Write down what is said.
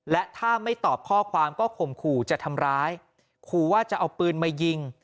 และถ้าไม่ตอบข้อความก็ข่มขู่จะทำร้ายขู่ว่าจะเอาปืนมายิง